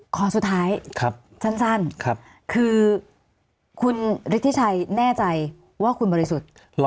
ขอสุดท้ายสั้นคือคุณฤทธิชัยแน่ใจว่าคุณบริสุทธิ์